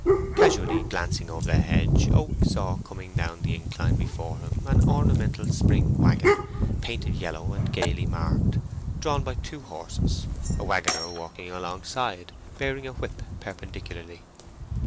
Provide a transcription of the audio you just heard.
Casually glancing over the hedge, Oak saw coming down the incline before him an ornamental spring waggon, painted yellow and gaily marked, drawn by two horses, a waggoner walking alongside bearing a whip perpendicularly.